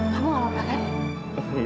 kau mau ke tiduri padi ya